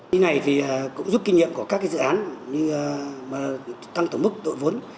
dự án này thì cũng giúp kinh nghiệm của các dự án như tăng tổng mức đội vốn